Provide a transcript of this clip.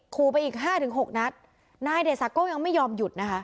ขู่ไปอีกห้าถึงหกนัดนายเดสาโก้ยังไม่ยอมหยุดนะคะ